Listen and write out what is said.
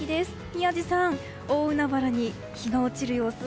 宮司さん、大海原に日が落ちる様子